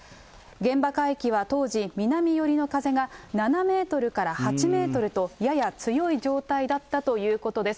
現場海域は当時、南寄りの風が７メートルから８メートルとやや強い状態だったということです。